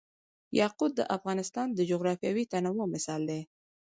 یاقوت د افغانستان د جغرافیوي تنوع مثال دی.